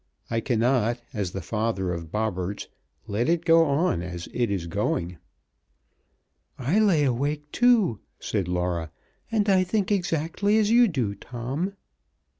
I cannot, as the father of Bobberts, let it go on as it is going." "I lay awake too," said Laura, "and I think exactly as you do, Tom."